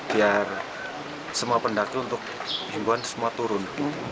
biar semua pendaki untuk himbuan semua turun